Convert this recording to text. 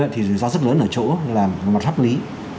thì rủi ro rất lớn ở chỗ là một mặt hấp lý